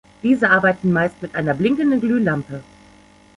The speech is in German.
Diese arbeiten meist mit einer blinkenden Glühlampe.